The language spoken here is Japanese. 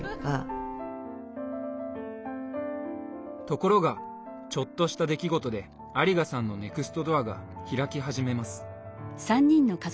ところがちょっとした出来事で有賀さんのネクストドアが開き始めます。